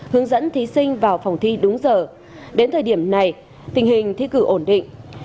hướng dẫn thí sinh vào phòng thi đúng giờ đến thời điểm này tình hình thi cử ổn định